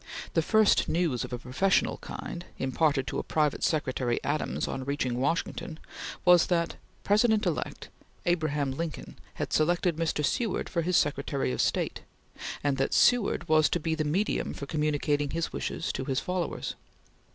The first news of a professional kind, imparted to private secretary Adams on reaching Washington, was that the President elect, Abraham Lincoln, had selected Mr. Seward for his Secretary of State, and that Seward was to be the medium for communicating his wishes to his followers.